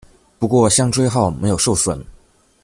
不过香椎号没有受损。